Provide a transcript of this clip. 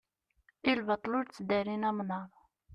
i lbaṭel ur tteddarin amnaṛ